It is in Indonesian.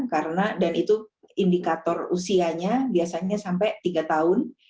karena dan itu indikator usianya biasanya sampai tiga tahun